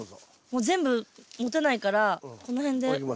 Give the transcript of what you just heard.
もう全部持てないからこの辺で。